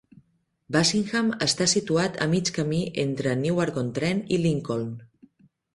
Bassingham està situat a mig camí entre Newark-on-Trent i Lincoln.